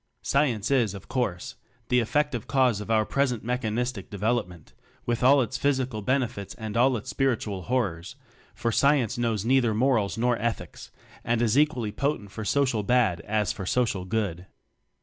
Science is, of course, the effective cause of our present mechanistic de velopment with all its physical bene fits and all its spiritulil horrors; for science knows neither morals nor eth ics, and is equally potent for social "bad" as for social "good."